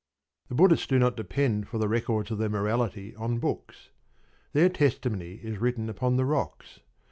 The Buddhists do not depend for the records of their morality on books. Their testimony is written upon the rocks.